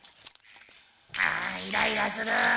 あイライラする。